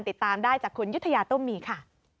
ติดตามได้จากคุณยุธยาตุ้มมีค่ะ